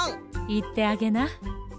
いってあげな。